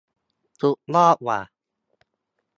สุดยอดว่ะ